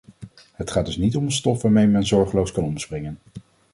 Het gaat dus niet om een stof waarmee men zorgeloos kan omspringen.